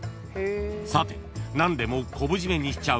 ［さて何でも昆布締めにしちゃう